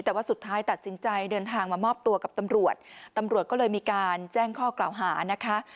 แต่ว่าสุดท้ายตัดสินใจเดินทางมามอบตัวกับตำรวจตำรวจก็เลยมีการแจ้งข้อกล่าวหานะคะ